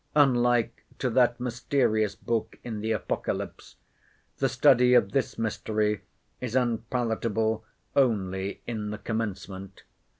Unlike to that mysterious book in the Apocalypse, the study of this mystery is unpalatable only in the commencement.